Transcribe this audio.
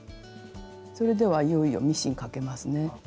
それではいよいよミシンかけますね。